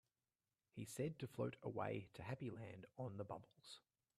He said to float away to Happy Land on the bubbles.